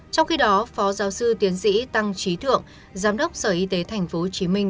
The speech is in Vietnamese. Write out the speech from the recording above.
trong khi đó phó giáo sư tiến sĩ tăng trí thượng giám đốc sở y tế thành phố hồ chí minh